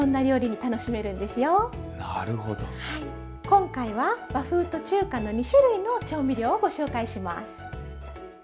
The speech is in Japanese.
今回は和風と中華の２種類の調味料をご紹介します。